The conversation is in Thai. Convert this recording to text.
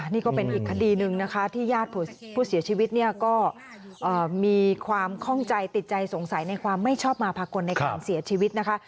นี่ก็เป็นอีกคดีหนึ่งนะคะที่ญาติผู้เสียชีวิตเนี่ยก็มีความข้องใจติดใจสงสัยในความไม่ชอบมาภากลในการเสียชีวิตนะคะ